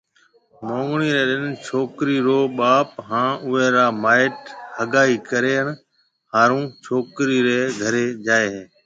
مونگڻيَ ريَ ڏن ڇوڪرَي رو ٻاپ ھان اُوئيَ را مائيٽ ھگائي ڪرڻ ھارو ڇوڪرِي رَي گھرَي جائيَ ھيََََ